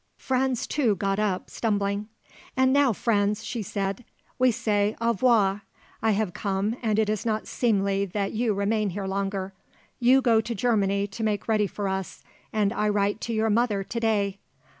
Franz, too, got up, stumbling. "And now, Franz," she said, "we say au revoir. I have come and it is not seemly that you remain here longer. You go to Germany to make ready for us and I write to your mother to day.